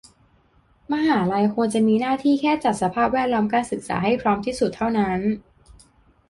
มหาลัยควรจะมีหน้าที่แค่จัดสภาพแวดล้อมการศึกษาให้พร้อมที่สุดเท่านั้น